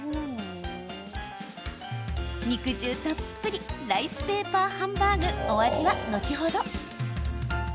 肉汁たっぷりライスペーパーハンバーグお味は後ほど。